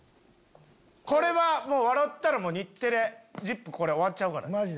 これは笑ったら日テレ『ＺＩＰ！』終わっちゃうからね。